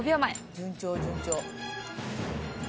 順調順調。